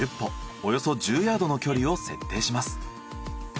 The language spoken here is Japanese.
およそ１０ヤードの距離を設定します。